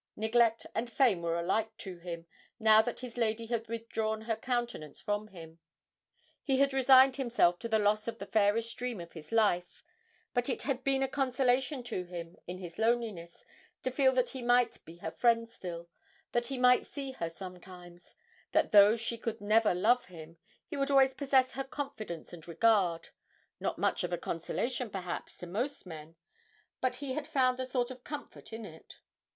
Neglect and fame were alike to him, now that his lady had withdrawn her countenance from him. He had resigned himself to the loss of the fairest dream of his life, but it had been a consolation to him in his loneliness to feel that he might be her friend still, that he might see her sometimes, that though she could never love him, he would always possess her confidence and regard not much of a consolation, perhaps, to most men, but he had found a sort of comfort in it.